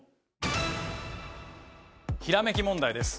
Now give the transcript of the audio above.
ひらめき問題です